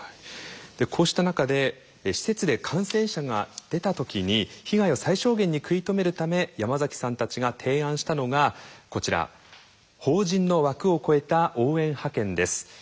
こうした中で施設で感染者が出た時に被害を最小限に食い止めるため山崎さんたちが提案したのがこちら法人の枠を超えた応援派遣です。